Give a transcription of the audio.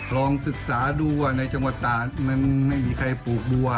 ลองศึกษาดูว่าในจังหวัดตานมันไม่มีใครปลูกบัว